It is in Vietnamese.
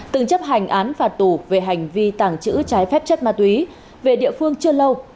từng chấp hành án phạt tù về hành vi tàng trữ trái phép chất ma túy về địa phương chưa lâu